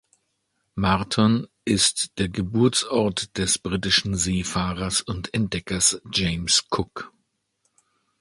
Marton ist der Geburtsort des britischen Seefahrers und Entdeckers James Cook.